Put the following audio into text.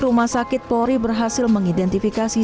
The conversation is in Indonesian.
rumah sakit polri berhasil mengidentifikasi